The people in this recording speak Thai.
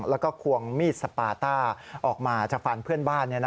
แล้วก็ควงมีดสปาต้าออกมาจะฟันเพื่อนบ้าน